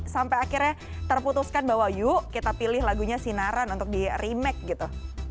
sampai akhirnya terputuskan bahwa yuk kita pilih lagunya sinaran untuk di remake gitu